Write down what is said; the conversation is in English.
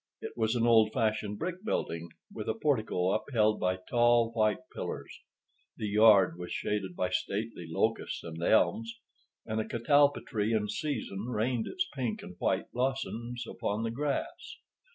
It was an old fashioned brick building, with a portico upheld by tall white pillars. The yard was shaded by stately locusts and elms, and a catalpa tree in season rained its pink and white blossoms upon the grass.